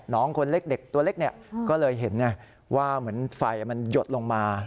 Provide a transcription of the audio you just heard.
น้องคนเล็กเด็กตัวเล็กก็เลยเห็นว่าเหมือนไฟมันหยดลงมา